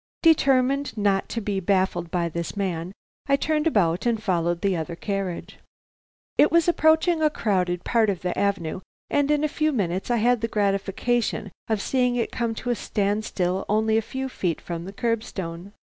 Determined not to be baffled by this man, I turned about and followed the other carriage. It was approaching a crowded part of the avenue, and in a few minutes I had the gratification of seeing it come to a standstill only a few feet from the curb stone.